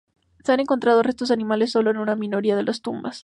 Se han encontrado restos de animales solo en una minoría de las tumbas.